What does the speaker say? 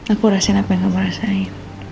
aku rasain apa yang kamu rasain